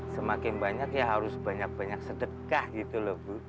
semakin banyak ya harus banyak banyak sedekah gitu loh bu